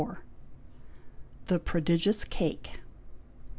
THE PRODIGIOUS CAKE.